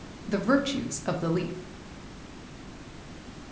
THE VIRTUES OF THE LEAF. Dr.